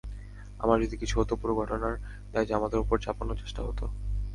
আমার যদি কিছু হতো, পুরো ঘটনার দায় জামায়াতের ওপর চাপানোর চেষ্টা হতো।